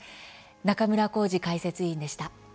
中村幸司解説委員でした。